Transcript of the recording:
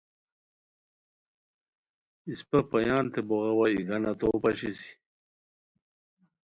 اِسپہ پایانتے بوغاوا ایگانہ تو پاشیسی